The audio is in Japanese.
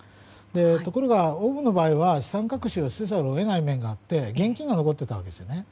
ところが、オウムの場合は資産隠しをせざるを得ない面があって現金が残っていたわけです。